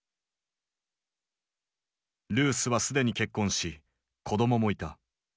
ルースは既に結婚し子供もいた。